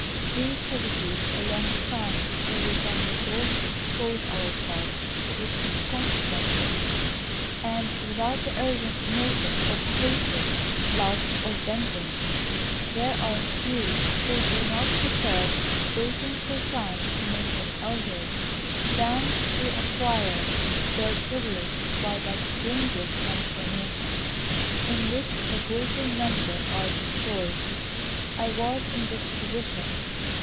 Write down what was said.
We hesitate a long time before we can resolve to expose ourselves to its consequences; and without the urgent motive of hatred, love, or vengeance, there are few who do not prefer waiting for time to make them Elders than to acquire their privilege by that dangerous transformation, in which the greater number are destroyed. I was in this position.